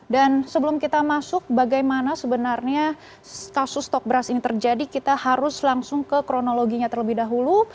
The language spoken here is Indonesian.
dan sebelum kita masuk bagaimana sebenarnya kasus stok beras ini terjadi kita harus langsung ke kronologinya terlebih dahulu